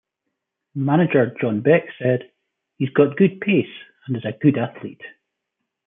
Manager, John Beck, said, He's got good pace and is a good athlete.